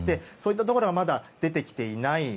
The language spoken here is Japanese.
そういったところが、まだ出てきていない。